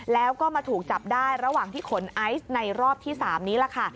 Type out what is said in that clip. แล้วก็มาถูกจับได้ระหว่างที่ขนไอซ์ในรอบที่๓นี้ล่ะค่ะ